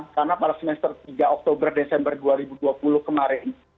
karena pada semester tiga oktober desember dua ribu dua puluh kemarin